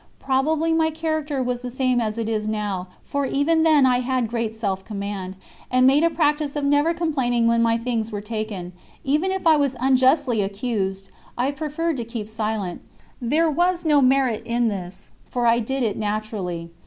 Probably my character was the same as it is now, for even then I had great self command, and made a practice of never complaining when my things were taken; even if I was unjustly accused, I preferred to keep silence. There was no merit in this, for I did it naturally.